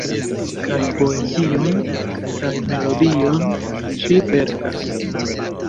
Kaj poezion kaj melodion ŝi verkas.